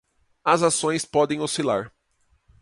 As ações podem oscilar